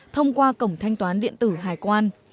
thông qua cổng thanh toán điện tử hải quan